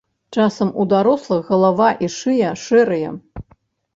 Часам у дарослых галава і шыя шэрыя.